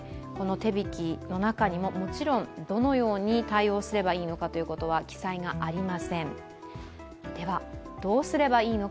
手引の中にも、どのように対応すればいいのかは記載がありません。